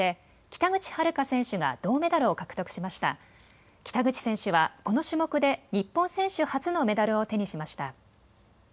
北口選手はこの種目で日本選手初のメダルを手にしました。